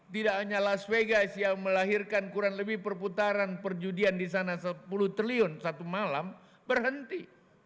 tidak hanya las vegas yang melahirkan kurang lebih perputaran perjudian di sana sepuluh triliun satu malam berhenti